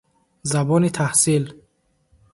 Забони таҳсил